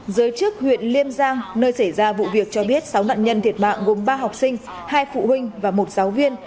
giới chức huyện liêm giang nơi xảy ra vụ việc cho biết sáu nạn nhân thiệt mạng gồm ba học sinh hai phụ huynh và một giáo viên